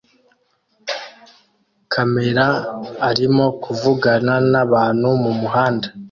Kamera arimo kuvugana nabantu mumuhanda